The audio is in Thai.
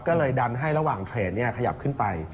ก็เลยดันให้ระหว่างเทรดขยับขึ้นไป